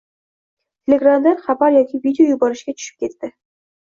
Telegramdan xabar yoki video yuborishga tushib ketdi.